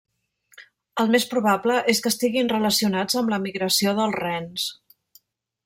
El més probable és que estiguin relacionats amb la migració dels rens.